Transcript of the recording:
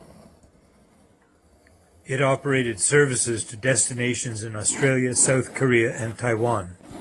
It operated services to destinations in Australia, South Korea and Taiwan.